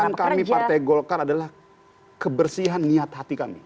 tujuan kami partai golkar adalah kebersihan niat hati kami